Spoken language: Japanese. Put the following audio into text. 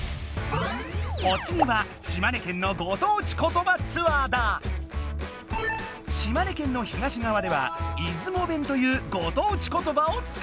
おつぎは島根県の東がわでは出雲弁というご当地ことばを使うんだ。